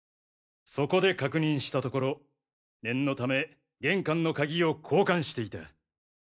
そこで確認したところ念のため玄関の鍵を交換していた。